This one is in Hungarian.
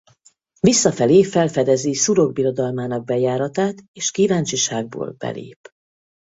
Visszafelé felfedezi Szurok birodalmának bejáratát és kíváncsiságból belép.